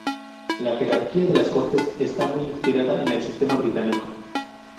La jerarquía de las cortes está muy inspirada en el sistema británico.